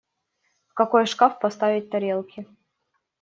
В какой шкаф поставить тарелки?